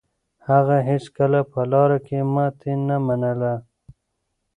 هغه هيڅکله په لاره کې ماتې نه منله.